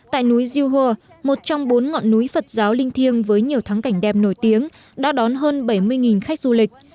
tại núi zio một trong bốn ngọn núi phật giáo linh thiêng với nhiều thắng cảnh đẹp nổi tiếng đã đón hơn bảy mươi khách du lịch